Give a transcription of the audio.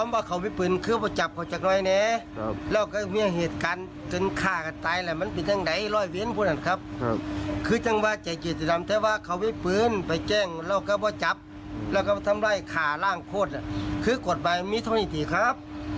ผมอยากโบ้กับเจ้าหน้าที่ตำรวจนะครับ